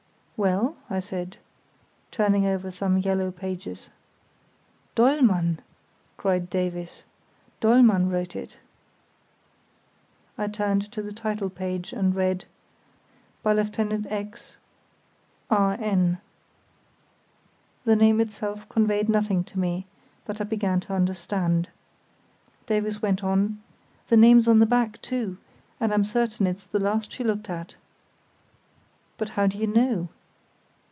"Well?" I said, turning over some yellow pages. "Dollmann!" cried Davies. "Dollmann wrote it." I turned to the title page, and read: "By Lieut. X——, R.N." The name itself conveyed nothing to me, but I began to understand. Davies went on: "The name's on the back, too—and I'm certain it's the last she looked at." "But how do you know?"